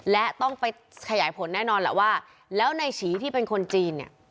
และต้องไปขยายผลแน่นอนแหละว่าแล้วในฉีที่เป็นคนจีนเนี่ย